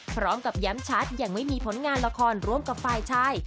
พร้อมกับย้ำชัดยังไม่มีผลงานละครร่วมกับฝ่ายชาย